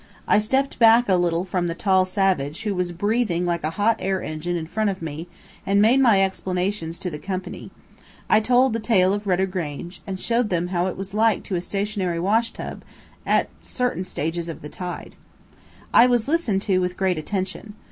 I stepped back a little from the tall savage, who was breathing like a hot air engine in front of me, and made my explanations to the company. I told the tale of "Rudder Grange," and showed them how it was like to a stationary wash tub at certain stages of the tide. I was listened to with great attention.